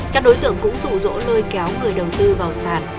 các đối tượng cũng rủ rỗ nơi kéo người đầu tư vào sàn